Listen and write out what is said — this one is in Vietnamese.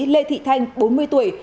lê thị thanh bốn mươi tuổi